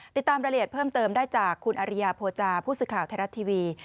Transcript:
ติดตามรายละเอียดเพิ่มเติมได้จากคุณอริยาโภจาผู้สื่อข่าวไทยรัฐทีวี